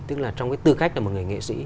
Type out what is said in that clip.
tức là trong cái tư cách là một người nghệ sĩ